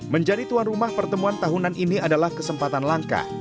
menjadi tuan rumah pertemuan tahunan ini adalah kesempatan langka